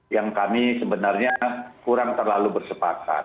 yang kami sebenarnya kurang terlalu bersepakat